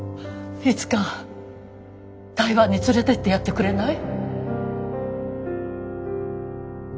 いつか台湾に連れてってやってくれない？